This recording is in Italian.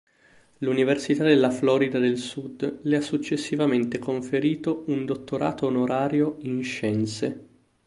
L'Università della Florida del sud le ha successivamente conferito un dottorato onorario in scienze.